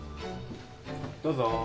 どうぞ。